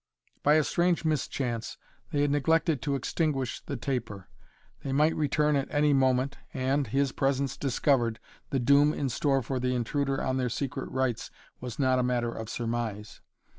By a strange mischance they had neglected to extinguish the taper. They might return at any moment and, his presence discovered, the doom in store for the intruder on their secret rites was not a matter of surmise.